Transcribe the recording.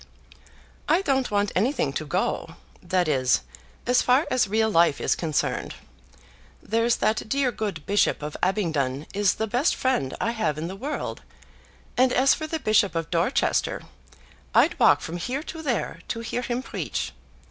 "I don't want anything to go, that is, as far as real life is concerned. There's that dear good Bishop of Abingdon is the best friend I have in the world, and as for the Bishop of Dorchester, I'd walk from here to there to hear him preach.